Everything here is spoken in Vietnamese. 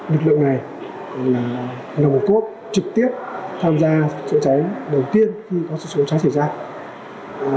lực lượng này là nồng cốp trực tiếp tham gia chữa cháy đầu tiên khi có số cháy xảy ra